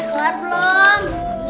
koci udah kelar belum